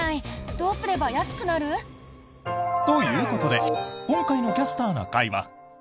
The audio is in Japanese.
どうすれば安くなる？ということで今回の「キャスターな会」は。